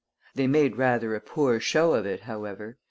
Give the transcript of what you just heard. They made rather a poor show of it, however.